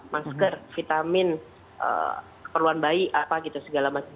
masker vitamin keperluan bayi apa gitu segala macam